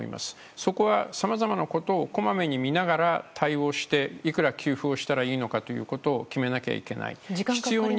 そこはさまざまなことをこまめに見ながら対応していくら給付をしたらいいのかということを時間、かかりますよね？